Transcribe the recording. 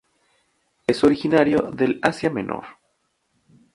Es originario del Asia Menor.